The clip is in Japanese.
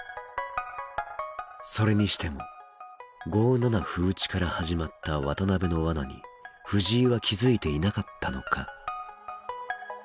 それにしても５七歩打ちから始まった渡辺の罠に藤井は気付いていなかったのか？